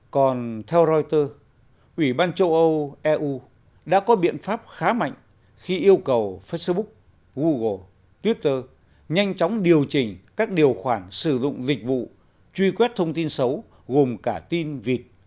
còn theo reuters ủy ban châu âu eu đã có biện pháp khá mạnh khi yêu cầu facebook google twitter nhanh chóng điều chỉnh các điều khoản sử dụng dịch vụ truy quét thông tin xấu gồm cả tin vịt